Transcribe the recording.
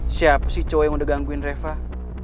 tapi nanti poin itu kan stirred up agak langsung deh